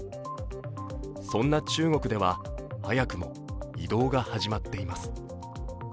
そんな中国では早くも移動が始まっています。